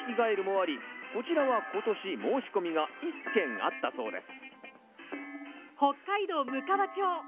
あり、こちらは今年、申し込みが１件あったそうです。